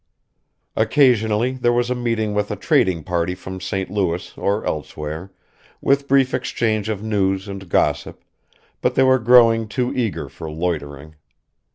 Occasionally there was a meeting with a trading party from St. Louis or elsewhere, with brief exchange of news and gossip; but they were growing too eager for loitering.